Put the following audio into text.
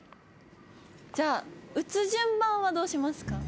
じゃあ打つ順番はどうしますか？